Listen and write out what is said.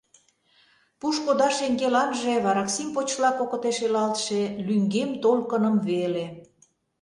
Пуш кода шеҥгеланже вараксим почла кокыте шелалтше лӱҥгем толкыным веле.